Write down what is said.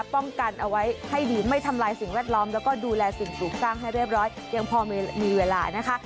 ป้องกันเอาไว้ให้ดีไม่ทำลายสิ่งแวดล้อมแล้วก็ดูแลสิ่งปลูกสร้างให้เรียบร้อยยังพอมีเวลานะคะ